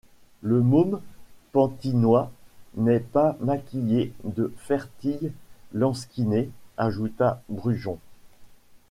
Le môme pantinois n’est pas maquillé de fertille lansquinée, ajouta Brujon.